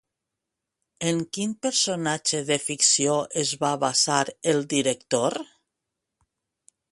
En quin personatge de ficció es va basar el director?